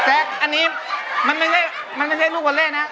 แซคอันนี้มันไม่เล่นลูกบอเลนะ